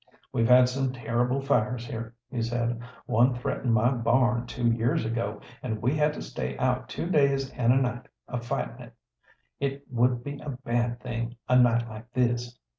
"We've had some terrible fires here," he said. "One threatened my barn two years ago, and we had to stay out two days an' a night a fightin' it. It would be a bad thing a night like this."